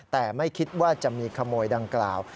แต่ไม่คิดว่าจะมีขโมยดังกล่าว